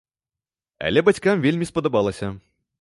Але бацькам вельмі спадабалася.